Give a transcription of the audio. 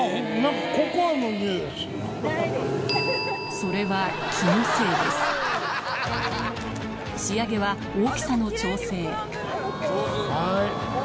それは仕上げは大きさの調整はいＯＫ！